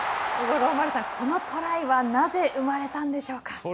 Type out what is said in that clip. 五郎丸さん、このトライはなぜ生まれたんでしょうか。